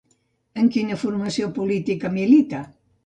En quina formació política milita?